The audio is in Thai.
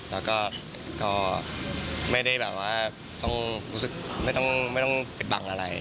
แล้วก็ไม่ได้แบบว่าต้องรู้สึกไม่ต้องปิดบังอะไร